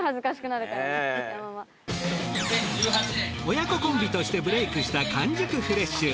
親子コンビとしてブレイクした完熟フレッシュ。